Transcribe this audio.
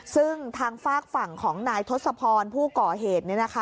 ซึ่งทางฝากฝั่งของนายทศพรผู้ก่อเหตุ